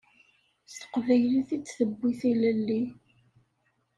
S teqbaylit i d-tewwi tilelli.